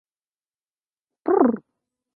In return American students come to British schools.